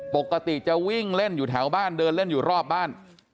ปกติจะวิ่งเล่นอยู่แถวบ้านเดินเล่นอยู่รอบบ้าน